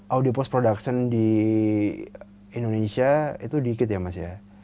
audie post production di indonesia itu dikit ya mas ya